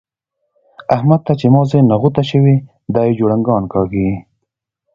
احمد ته چې مازي نغوته شوي؛ دی جوړنګان کاږي.